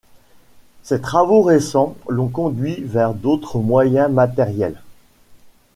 Ses travaux récents l'ont conduite vers d’autres moyens matériels.